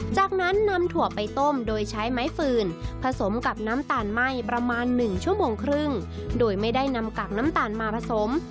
จากนั้นนำถั่วไปต้มโดยใช้ไม้ฟืนผสมกับน้ำตาลไหม้ประมาณหนึ่งชั่วโมงครึ่งโดยไม่ได้นำกากน้ำตาลมาผสม